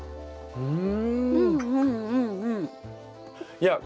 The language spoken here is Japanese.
うん。